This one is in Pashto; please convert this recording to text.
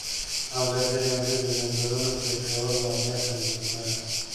ازادي راډیو د د ځنګلونو پرېکول وضعیت انځور کړی.